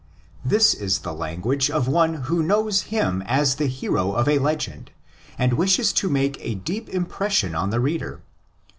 This is the language of one who knows him as the hero of a legend, and wishes to make a deep impression on the reader.